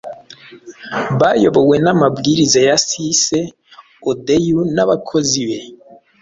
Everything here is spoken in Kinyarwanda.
bayobowe n'amabwiriza ya Circe, Odyeu n'abakozi be